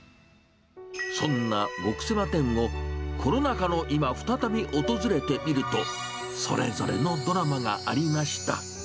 そんな極セマ店も、コロナ禍の今、再び訪れてみると、それぞれのドラマがありました。